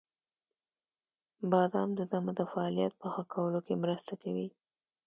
• بادام د دمه د فعالیت په ښه کولو کې مرسته کوي.